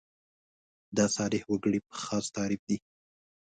دا صالح وګړي په خاص تعریف دي.